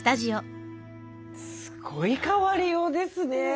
すごい変わりようですね。